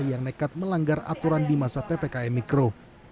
yang nekat melanggar aturan di masa ppkm mikro